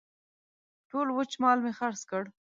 ټول وچ مال مې خرڅ کړ.